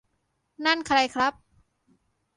นั่นใครครับ